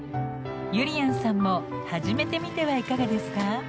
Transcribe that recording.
ゆりやんさんも始めてみてはいかがですか？